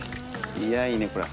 いやいいねこりゃ。